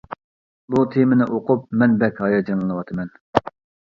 بۇ تېمىنى ئوقۇپ مەن بەك ھاياجانلىنىۋاتىمەن.